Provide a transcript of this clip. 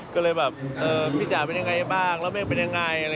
ก็เลยแบบพี่จ๋าเป็นยังไงบ้างแล้วแม่เป็นยังไง